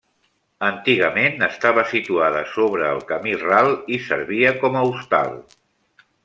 Antigament estava situada sobre el Camí Ral i servia com a hostal.